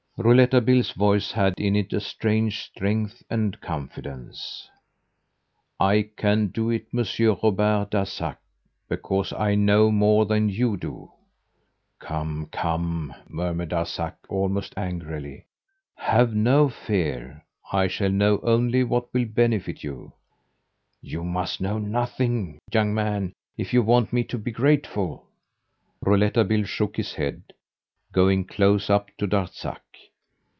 Rouletabille's voice had in it a strange strength and confidence. "I can do it, Monsieur Robert Darzac, because I know more than you do!" "Come! Come!" murmured Darzac, almost angrily. "Have no fear! I shall know only what will benefit you." "You must know nothing, young man, if you want me to be grateful." Rouletabille shook his head, going close up to Darzac.